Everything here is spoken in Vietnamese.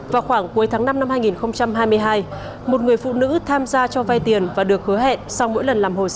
vào khoảng cuối tháng năm năm hai nghìn hai mươi hai một người phụ nữ tham gia cho vai tiền và được hứa hẹn sau mỗi lần làm hồ sơ